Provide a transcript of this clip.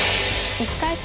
１回戦